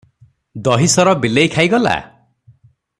ଦହି ସର ବିଲେଇ ଖାଇଗଲା?